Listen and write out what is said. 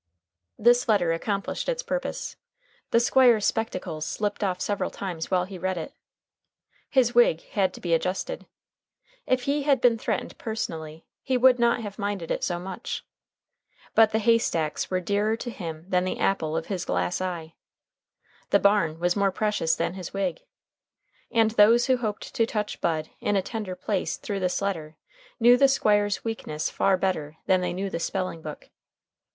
This letter accomplished its purpose. The Squire's spectacles slipped off several times while he read it. His wig had to be adjusted. If he had been threatened personally he would not have minded it so much. But the hay stacks were dearer to him than the apple of his glass eye. The barn was more precious than his wig. And those who hoped to touch Bud in a tender place through this letter knew the Squire's weakness far better than they knew the spelling book.